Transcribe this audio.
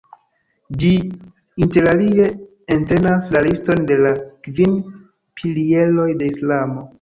Ĝi interalie entenas la liston de la kvin pilieroj de Islamo.